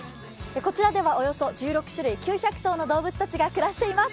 こちらではおよそ１６種類、９００頭の動物たちが暮らしています。